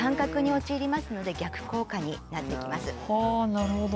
なるほど。